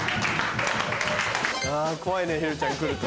怖いねひるちゃん来ると。